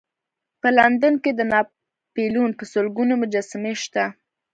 په لندن کې د ناپلیون په سلګونو مجسمې شته.